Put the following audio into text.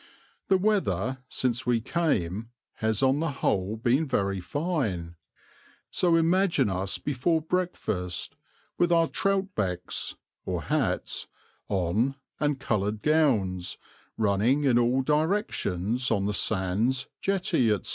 The weather since we came has on the whole been very fine; so imagine us before breakfast, with our troutbecks [hats] on and coloured gowns, running in all directions on the sands, jetty, etc.